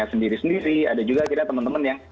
sendiri sendiri ada juga akhirnya teman teman yang